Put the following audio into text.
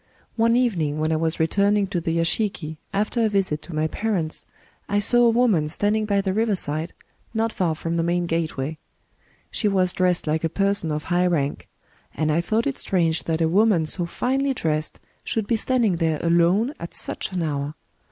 One even ing, when I was returning to the yashiki after a visit to my parents, I saw a woman standing by the riverside, not far from the main gateway. She was dressed like a person of high rank; and I thought it strange that a woman so finely dressed should be standing there alone at such an hour.